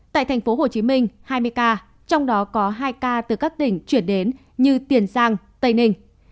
tại tp hcm hai mươi ca trong đó có hai ca từ các tỉnh chuyển đến như tiền giang tây ninh